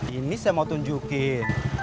ini saya mau tunjukin